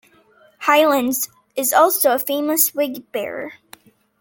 Heylens is also a famous wig bearer.